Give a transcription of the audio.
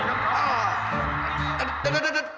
gue keluar lagi tuh